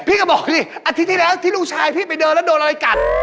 พี่ก็บอกสิอาทิตย์ที่แล้วที่ลูกชายพี่ไปเดินแล้วโดนอะไรกัด